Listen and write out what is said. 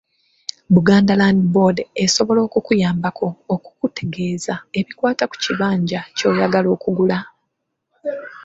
Buganda Land Board esobola okukuyambako okukutegeeza ebikwata ku kibanja ky’oyagala okugula.